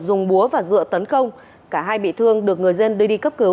dùng búa và dựa tấn công cả hai bị thương được người dân đưa đi cấp cứu